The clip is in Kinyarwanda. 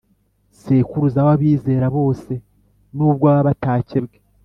Sekuruza w’abizera bose n’ubwo baba batakebwe